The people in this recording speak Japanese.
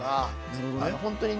なるほどね。